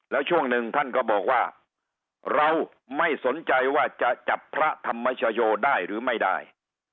แล้วช่วงหนึ่งท่านก็บอกว่าเราไม่สนใจว่าจะจับพระธรรมชโยได้หรือไม่ได้